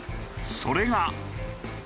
それが。